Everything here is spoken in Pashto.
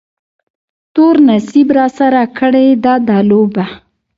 تور نصیب راسره کړې ده دا لوبه